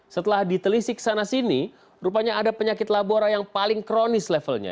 setelah ditelisik sana sini rupanya ada penyakit labora yang paling kronis levelnya